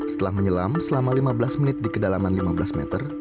setelah menyelam selama lima belas menit di kedalaman lima belas meter